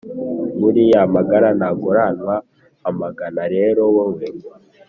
buriya amagara ntaguranwa amagana rero wowe